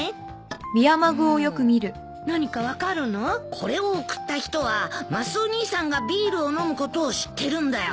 これを贈った人はマスオ兄さんがビールを飲むことを知ってるんだよ。